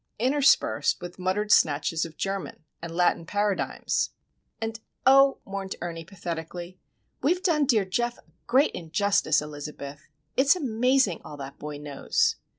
Interspersed with muttered snatches of German, and Latin paradigms. "And, oh," mourned Ernie, pathetically, "we've done dear Geof a great injustice, Elizabeth. It's amazing all that boy knows!